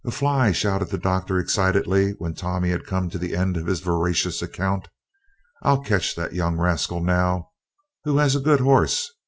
"A fly!" shouted the Doctor excitedly, when Tommy had come to the end of his veracious account. "I'll catch the young rascal now who has a good horse?